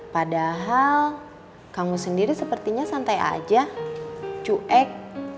padahal kamu sendiri sepertinya santai aja cuek